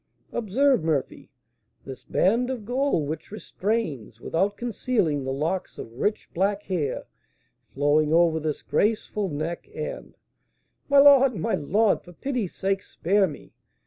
"Observe, Murphy, this band of gold which restrains, without concealing, the locks of rich black hair flowing over this graceful neck, and " "My lord! my lord! for pity's sake spare me!